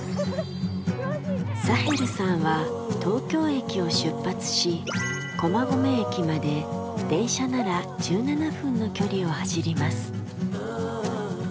サヘルさんは東京駅を出発し駒込駅まで電車なら１７分の距離を走ります。